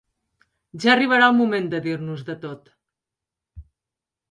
Ja arribarà el moment de dir-nos de tot!